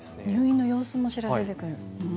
入院の様子も知らせてくれる。